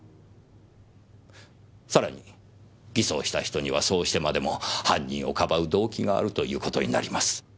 さらに偽装した人にはそうしてまでも犯人をかばう動機があるという事になります。